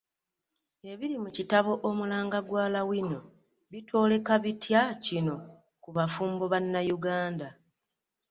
Ebiri mu kitabo Omulanga gwa Lawino bitwoleka bitya kino ku bafumbo Bannayuganda?